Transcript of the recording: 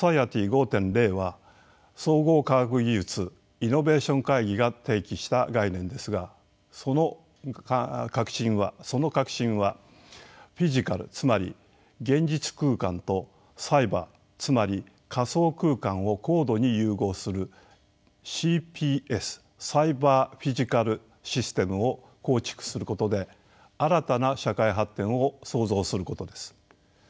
Ｓｏｃｉｅｔｙ５．０は総合科学技術・イノベーション会議が提起した概念ですがその核心はフィジカルつまり現実空間とサイバーつまり仮想空間を高度に融合するＣＰＳサイバーフィジカルシステムを構築することで新たな社会発展を創造することです。